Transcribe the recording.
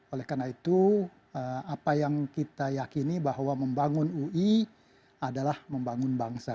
oleh karena itu apa yang kita yakini bahwa membangun ui adalah membangun bangsa